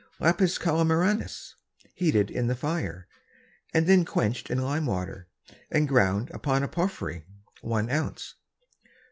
Lapis Calaminaris, heated in the Fire, and then quenched in Lime Water, and ground upon a Porphyry, one Ounce.